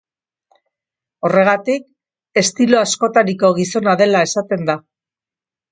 Horregatik, estilo askotariko gizona dela esaten da.